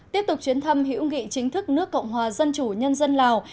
tiếp tục chuyến thăm hữu nghị chính thức nước cộng hòa dân chủ nhân dân lào